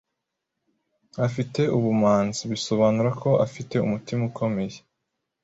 a fi te ubumanzi bisobanura ko a fi te umutima ukomeye,